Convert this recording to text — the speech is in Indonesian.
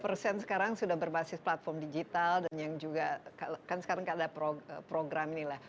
lima puluh persen sekarang sudah berbasis platform digital dan yang juga kan sekarang ada program ini lah